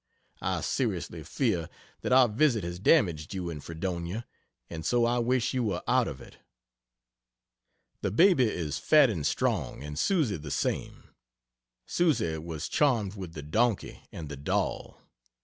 I seriously fear that our visit has damaged you in Fredonia, and so I wish you were out of it. The baby is fat and strong, and Susie the same. Susie was charmed with the donkey and the doll.